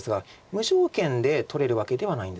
無条件で取れるわけではないんですよね。